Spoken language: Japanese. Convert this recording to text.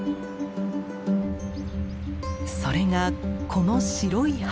それがこの白い浜。